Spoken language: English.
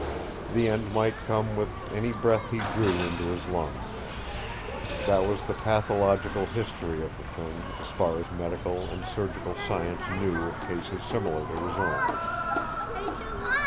The end might come with any breath he drew into his lungs. That was the pathological history of the thing, as far as medical and surgical science knew of cases similar to his own.